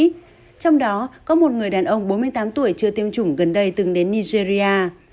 trong đó có một người đàn ông bốn mươi tám tuổi chưa tiêm chủng gần đây từng đến nigeria